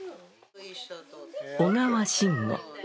小川真吾。